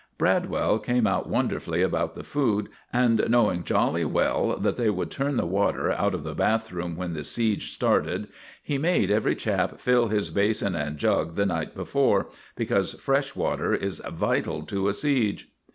Bradwell came out wonderfully about the food, and knowing jolly well that they would turn the water out of the bath room when the siege started, he made every chap fill his basin and jug the night before; because fresh water is vital to a siege.